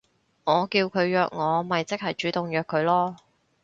我叫佢約我咪即係主動約佢囉